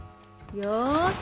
よし。